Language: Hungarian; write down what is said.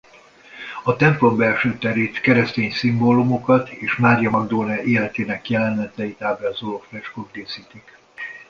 A templom belső terét keresztény szimbólumokat és Mária Magdolna életének jeleneteit ábrázoló freskók díszítik.